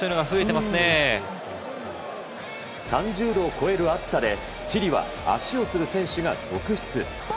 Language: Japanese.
３０度を超える暑さでチリは足をつる選手が続出。